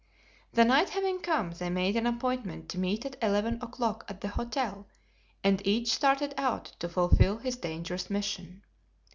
The night having come they made an appointment to meet at eleven o'clock at the hotel, and each started out to fulfill his dangerous mission.